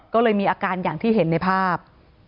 ก็เลยมีอาการอย่างที่เห็นในภาพ